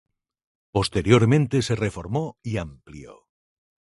Posteriormente se reformó y amplió.